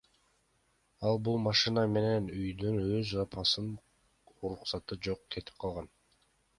Ал бул машина менен үйдөн өз апасынын уруксаты жок кетип калган.